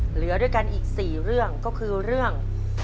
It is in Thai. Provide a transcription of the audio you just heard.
เหลือด้วยกันอีก๔เรื่องก็คือเรื่อง